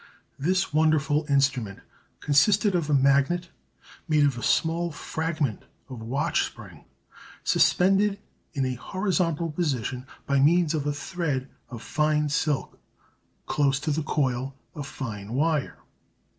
This wonderful instrument consisted of a magnet made of a small fragment of watch spring, suspended in a horizontal position by means of a thread of fine silk, close to a coil of fine wire.